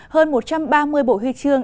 hơn một trăm ba mươi bộ huy chương